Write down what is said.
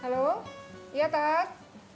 halo iya teh